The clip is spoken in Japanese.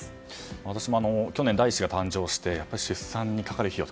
私も去年第１子が誕生して出産にかかる費用